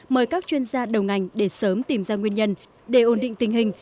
mời các chuyên gia đầu ngành để sớm tìm ra nguyên nhân để ổn định tình hình